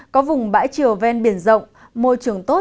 có vùng bãi triều ven biển rộng môi trường tốt